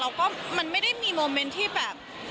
แล้วก็มันไม่ได้มีโมเมนต์ที่แบบ